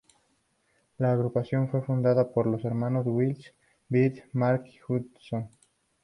La agrupación fue fundada por los hermanos Bill, Brett y Mark Hudson.